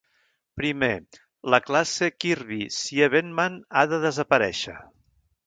Primer, la classe Kirby-Siebenmann ha de desaparèixer.